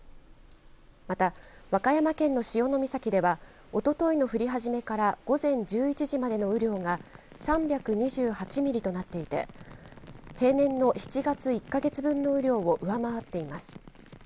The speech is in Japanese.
また、和歌山県の潮岬ではおとといの降り始めから午前１１時までの雨量が３２８ミリとなっていて平年の７月１か月分の雨量を上回っています。